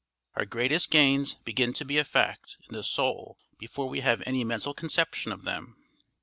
Our greatest gains begin to be a fact in the soul before we have any mental conception of them!